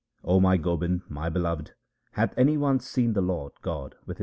0 my Gobind, my beloved, hath any one seen the Lord God with his eyes